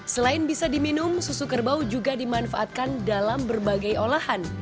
selain bisa diminum susu kerbau juga dimanfaatkan dalam berbagai olahan